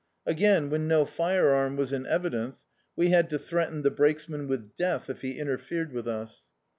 Again, when no firearm was in evidence, we had to threaten the brakesman with death if he interfered with us.